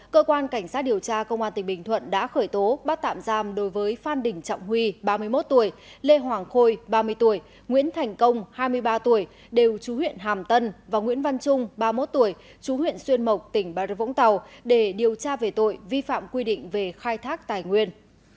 cơ quan cảnh sát điều tra công an tỉnh bình thuận đã khởi tố bắt tạm giam đối với phan đình trọng huy ba mươi một tuổi lê hoàng khôi ba mươi tuổi nguyễn thành công hai mươi ba tuổi đều chú huyện hàm tân và nguyễn văn trung ba mươi một tuổi chú huyện xuyên mộc tỉnh bà rập vũng tàu để điều tra về tội vi phạm quy định về khai thác tài nguyên